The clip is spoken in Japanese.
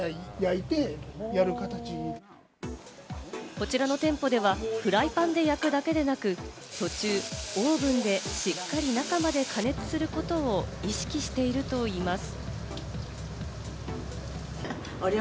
こちらの店舗ではフライパンで焼くだけでなく、途中、オーブンでしっかり中まで加熱することを意識しているといいます。